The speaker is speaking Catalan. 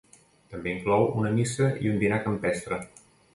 També inclou una missa i un dinar campestre.